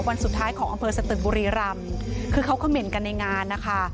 วันสุดท้ายของอำเภอสตึกบุรีรำคือเขาเขม่นกันในงานนะคะ